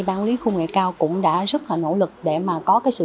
bán lý khu nghệ cao cũng đã rất nỗ lực để có sự đồng hành